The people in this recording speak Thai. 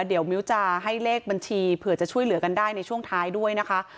เดี๋ยวมิ้วจะให้เลขบัญชีเผื่อจะช่วยเหลือกันได้ในช่วงท้ายด้วยนะคะ